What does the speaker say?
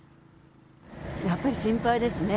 やっぱり心配ですね。